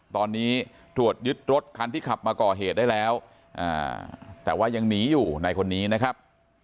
ตอนนี้ตรวจยึดรถคันที่ขับมาก่อเหตุได้แล้วแต่ว่ายังหนีอยู่ในคนนี้นะครับ